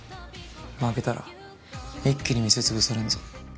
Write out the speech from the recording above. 負けたら一気に店潰されんぞ。